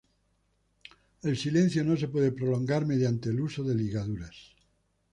El silencio no se puede prolongar mediante el uso de ligaduras.